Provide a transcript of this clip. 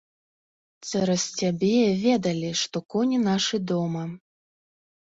Цераз цябе ведалі, што коні нашы дома.